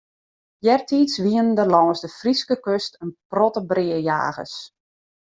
Eartiids wienen der lâns de Fryske kust in protte breajagers.